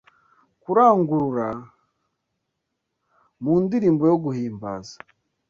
kurangurura mu ndirimbo yo guhimbaza